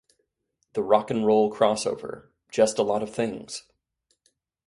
The rock n' roll crossover; just a lot of things.